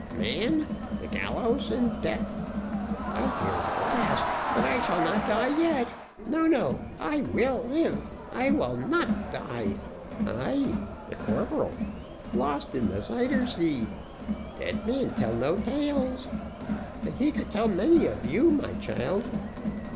"Man the gallows, and death. I fear the last, but I shall not die yet: no, no, I will live I will not die. Ay, the corporal lost in Zuyder Zee dead men tell no tales; and he could tell many of you, my child.